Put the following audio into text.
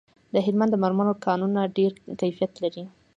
د هلمند د مرمرو کانونه ډیر کیفیت لري